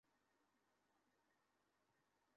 ধন্যবাদ, কর্পোরাল!